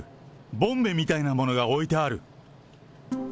ボンベみたいなものが置いてある。